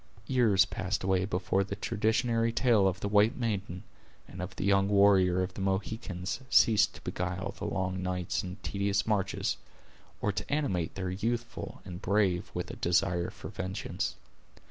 Years passed away before the traditionary tale of the white maiden, and of the young warrior of the Mohicans ceased to beguile the long nights and tedious marches, or to animate their youthful and brave with a desire for vengeance.